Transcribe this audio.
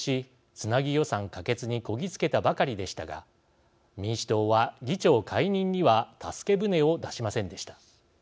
つなぎ予算可決にこぎ着けたばかりでしたが民主党は、議長解任には助け船を出しませんでした。